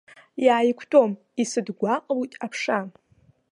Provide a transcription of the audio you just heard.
Иааиқәтәом, исыдгәаҟлоит аԥша.